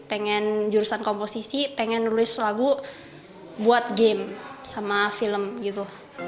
pengen jurusan komposisi pengen nulis lagu buat game sama film gitu